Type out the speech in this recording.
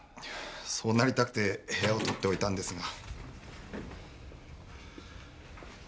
そうなりたくて部屋をとっておいたんですが。